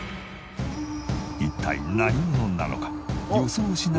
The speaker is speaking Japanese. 一体何者なのか？